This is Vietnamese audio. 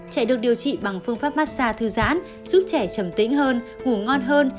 trẻ được điều trị bằng phương pháp massage thư giãn giúp trẻ trầm tĩnh hơn ngủ ngon hơn